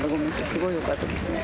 すごいよかったですね